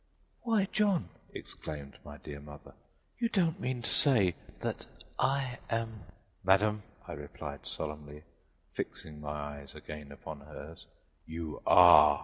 "Why, John," exclaimed my dear mother, "you don't mean to say that I am " "Madam," I replied, solemnly, fixing my eyes again upon hers, "you are."